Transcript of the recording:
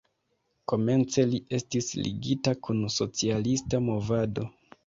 Komence li estis ligita kun socialista movado.